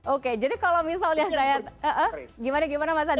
oke jadi kalau misalnya saya gimana gimana mas adi